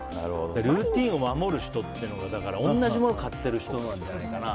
ルーティンを守る人っていうのが同じものを買ってる人なんじゃないかな。